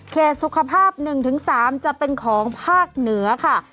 สุขภาพ๑๓จะเป็นของภาคเหนือค่ะ